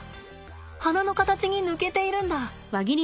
花の形に抜けているんだ。